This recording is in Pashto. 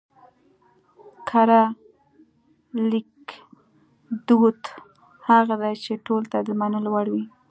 کره ليکدود هغه دی چې ټولو ته د منلو وړ وي